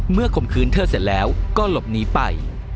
ข่มขืนเธอเสร็จแล้วก็หลบหนีไป